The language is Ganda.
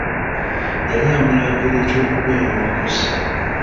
Yali amulangira eky'okubeera omukozi.